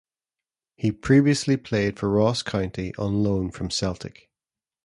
He previously played for Ross County on loan from Celtic.